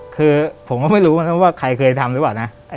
คือผมไม่รู้ว่าใครเคยทำหรือเปล่านะ